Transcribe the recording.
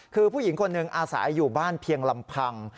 คือผู้หญิงคนหนึ่งอาศัยอยู่บ้านเพียงลำพัง